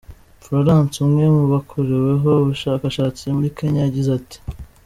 Florence, umwe mu bakoreweho ubushakshatsi muri Kenya, yagize ati:.